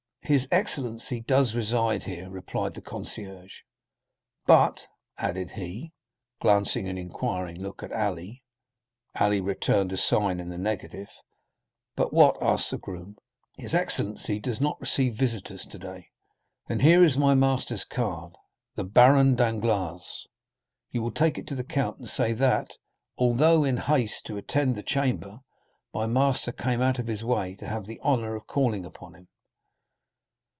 "His excellency does reside here," replied the concierge; "but——" added he, glancing an inquiring look at Ali. Ali returned a sign in the negative. "But what?" asked the groom. "His excellency does not receive visitors today." "Then here is my master's card, the Baron Danglars. You will take it to the count, and say that, although in haste to attend the Chamber, my master came out of his way to have the honor of calling upon him."